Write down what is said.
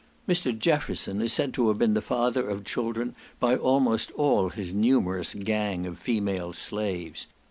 Mr. Jefferson is said to have been the father of children by almost all his numerous gang of female slaves.